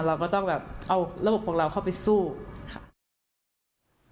เราก็ต้องแบบเอาระบบของเราเข้าไปสู้ค่ะ